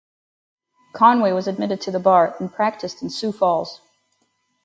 Conway was admitted to the bar and practiced in Sioux Falls.